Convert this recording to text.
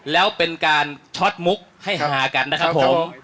แล้วเป็นการช็อตมุกให้ฮากันนะครับผม